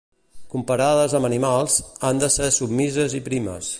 Comparades amb animals, han de ser submises i primes.